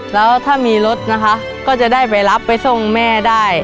แล้วถ้ามีรถนะคะก็จะได้ไปรับไปส่งแม่ได้